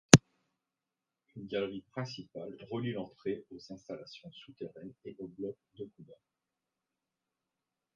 Une galerie principale relie l'entrée aux installations souterraines et aux blocs de combat.